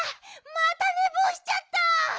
またねぼうしちゃった！